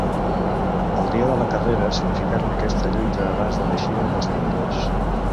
El dia de la carrera escenificaran aquesta lluita abans de l’eixida dels nadadors.